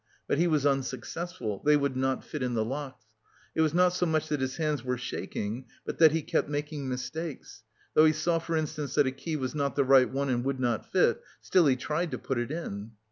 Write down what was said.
But he was unsuccessful. They would not fit in the locks. It was not so much that his hands were shaking, but that he kept making mistakes; though he saw for instance that a key was not the right one and would not fit, still he tried to put it in.